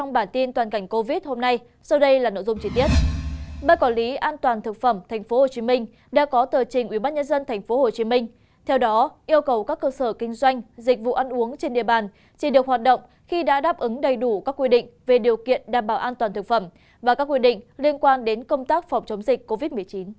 bác quản lý an toàn thực phẩm tp hcm đã có tờ trình ubnd tp hcm theo đó yêu cầu các cơ sở kinh doanh dịch vụ ăn uống trên địa bàn chỉ được hoạt động khi đã đáp ứng đầy đủ các quy định về điều kiện đảm bảo an toàn thực phẩm và các quy định liên quan đến công tác phòng chống dịch covid một mươi chín